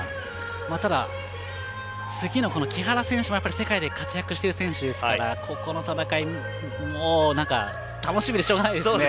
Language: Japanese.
ただ、次の木原選手も世界で活躍している選手ですからここの戦いもう楽しみでしょうがないですね。